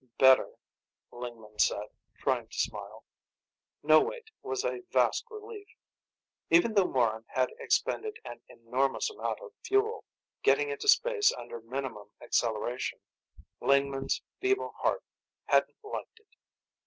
"Better," Lingman said, trying to smile. No weight was a vast relief. Even though Morran had expended an enormous amount of fuel, getting into space under minimum acceleration, Lingman's feeble heart hadn't liked it.